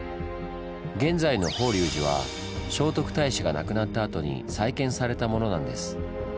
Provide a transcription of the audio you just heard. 現在の法隆寺は聖徳太子が亡くなったあとに再建されたものなんです。